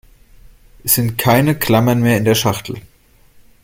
Es sind keine Klammern mehr in der Schachtel.